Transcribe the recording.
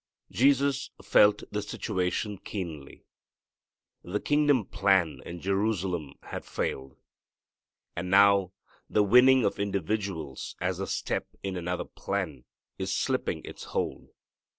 Jesus felt the situation keenly. The kingdom plan in Jerusalem had failed. And now the winning of individuals as a step in another plan is slipping its hold.